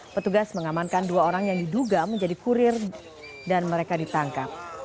petugas mengamankan dua orang yang diduga menjadi kurir dan mereka ditangkap